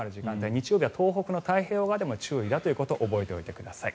日曜日は東北の太平洋側でも注意だということを覚えておいてください。